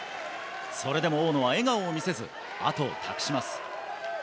それでも大野は笑顔を見せず後を託します。